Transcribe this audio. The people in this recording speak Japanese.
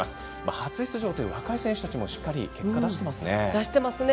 初出場という若い選手たちもしっかり結果出してますね。